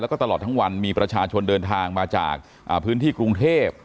แล้วก็ตลอดทั้งวันมีประชาชนเดินทางมาจากพื้นที่กรุงเทพ